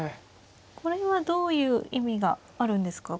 これはどういう意味があるんですか